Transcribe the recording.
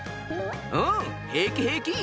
うん平気平気。